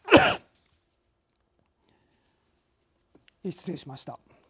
失礼しました。